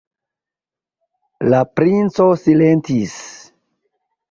La princo silentis.